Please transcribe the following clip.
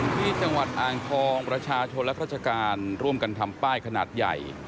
ที่จังหวัดอ่างทองประชาชนและราชการร่วมกันทำป้ายขนาดใหญ่